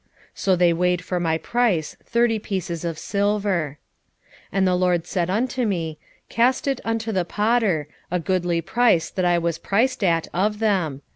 So they weighed for my price thirty pieces of silver. 11:13 And the LORD said unto me, Cast it unto the potter: a goodly price that I was prised at of them.